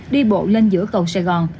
đi bộ lên giữa cầu sài gòn